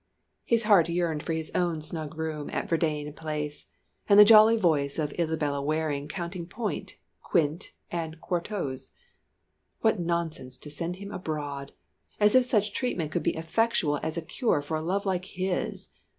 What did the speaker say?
His heart yearned for his own snug room at Verdayne Place, and the jolly voice of Isabella Waring counting point, quint and quatorze. What nonsense to send him abroad. As if such treatment could be effectual as a cure for a love like his.